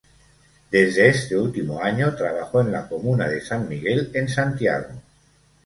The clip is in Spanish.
Desde este último año, trabajó en la comuna de San Miguel, en Santiago.